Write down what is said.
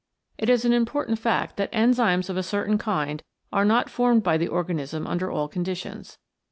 It is an im portant fact that enzymes of a certain kind are not formed by the organism under all conditions.